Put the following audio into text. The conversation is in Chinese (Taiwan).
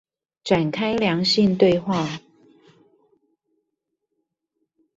展開良性對話